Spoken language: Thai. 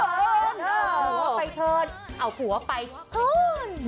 เอาผัวไปเถิ้นเอาผัวไปเถิ้น